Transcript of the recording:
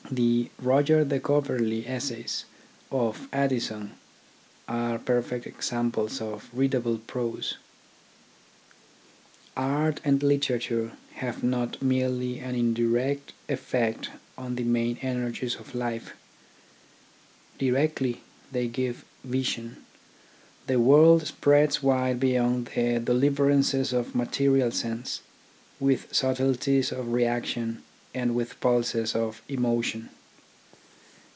The Roger de Coverley essays of Addison are perfect examples of readable prose. 56 THE ORGANISATION OF THOUGHT Art and literature have not merely an indirect effect on the main energies of life. Directly, they give vision. The world spreads wide beyond the deliverances of material sense, with subtle ties of reaction and with pulses of emotion.